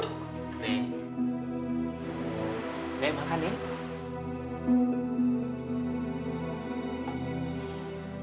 nih makan nih